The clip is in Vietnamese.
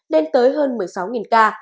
nên tới hơn một mươi sáu ca